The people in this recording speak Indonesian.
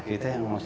kita yang asli